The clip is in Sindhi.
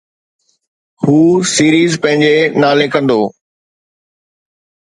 هو سيريز پنهنجي نالي ڪندو.